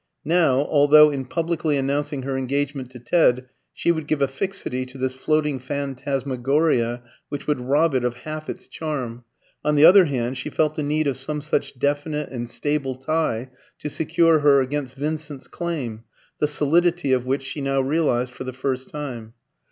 Now, although in publicly announcing her engagement to Ted she would give a fixity to this floating phantasmagoria which would rob it of half its charm, on the other hand she felt the need of some such definite and stable tie to secure her against Vincent's claim, the solidity of which she now realised for the first time.